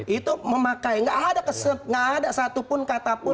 itu memakai nggak ada satu pun kata pun